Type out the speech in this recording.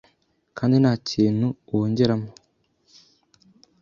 kandi nta kindi kintu wongeramo.